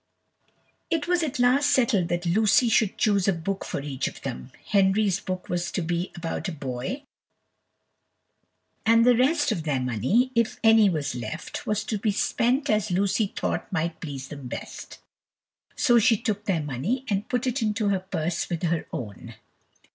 It was at last settled that Lucy should choose a book for each of them Henry's book was to be about a boy and the rest of their money, if any was left, was to be spent as Lucy thought might please them best. So she took their money, and put it into her purse with her own.